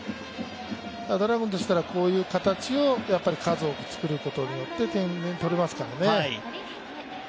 ドラゴンズとしたら、こういう形を数多く作ることによって点が取れますからね。